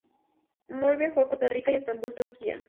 Moore viajó de Costa Rica a Estambul, Turquía.